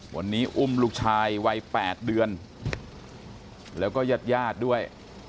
วันนี้อุ้มลูกชายวัย๘เดือนแล้วก็ญาติญาติด้วย